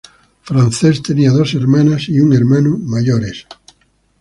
Frances tenía dos hermanas y un hermano mayores.